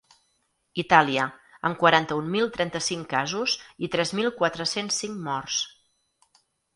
Itàlia, amb quaranta-un mil trenta-cinc casos i tres mil quatre-cents cinc morts.